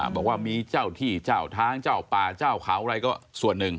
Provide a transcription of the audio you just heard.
บอกว่ามีเจ้าที่เจ้าทางเจ้าป่าเจ้าเขาอะไรก็ส่วนหนึ่ง